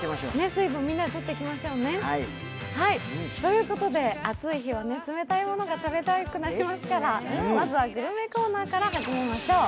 水分みんなでとっていきましょうね。ということで、暑い日は冷たいものが食べたくなりますから、まずはグルメコーナーから始めましょう。